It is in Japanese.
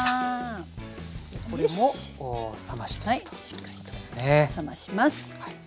しっかりと冷まします。